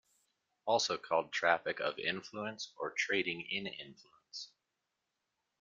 Also called traffic of influence or trading in influence.